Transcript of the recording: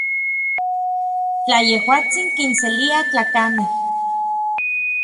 Tla yejuatsin kinselia tlakamej.